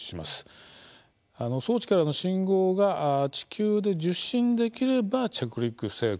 装置からの信号が地球で受信できれば、着陸成功。